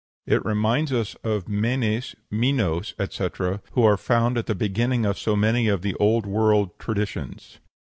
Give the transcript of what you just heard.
It reminds us of Menes, Minos, etc., who are found at the beginning of so many of the Old World traditions.